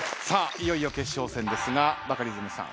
いよいよ決勝戦ですがバカリズムさん